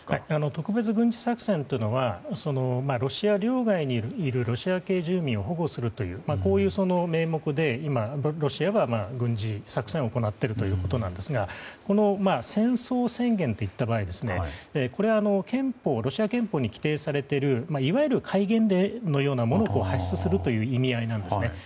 特別軍事作戦というのはロシア領内にいるロシア系住民を保護するという名目で今、ロシアが軍事作戦を行っているということですが戦争宣言といった場合、これはロシア憲法に規定されているいわゆる戒厳令のようなものを発出するという意味合いなんですね。